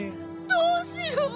どうしよう。